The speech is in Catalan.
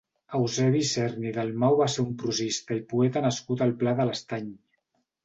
Eusebi Isern i Dalmau va ser un prosista i poeta nascut al Pla de l'Estany.